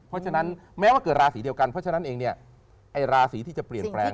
เพราะฉะนั้นแม้ว่าเกิดราศีเดียวกันเพราะฉะนั้นเองเนี่ยไอ้ราศีที่จะเปลี่ยนแปลง